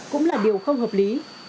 cũng là điều không hợp lý